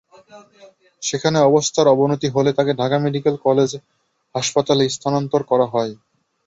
সেখানে অবস্থার অবনতি হলে তাঁকে ঢাকা মেডিকেল কলেজ হাসপাতালে স্থানান্তর করা হয়।